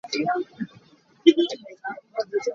Ram uknak phung cu a um a herh.